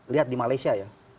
lihat di malaysia ya